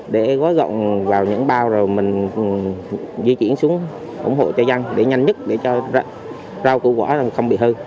để gói gọn vào những bao rồi mình di chuyển xuống ủng hộ cho dân để nhanh nhất để cho rau củ quả không bị hư